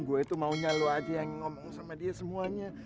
gue itu maunya lu aja yang ngomong sama dia semuanya